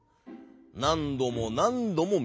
なんどもなんどもみました。